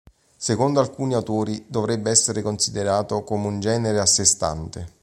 Secondo alcuni autori dovrebbe essere considerato come un genere a sé stante.